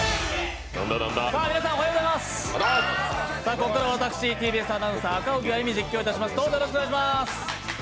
ここからは私、ＴＢＳアナウンサー・赤荻歩実況いたします。